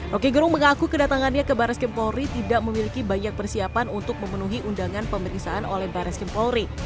rocky gerung mengaku kedatangannya ke barai skimpori tidak memiliki banyak persiapan untuk memenuhi undangan pemeriksaan oleh barai skimpori